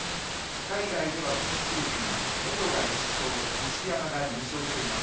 海外では今シーズン本が１勝、西山が２勝しています。